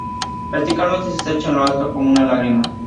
Verticalmente, se estrecha en lo alto como una lágrima.